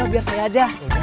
orang orang di rumah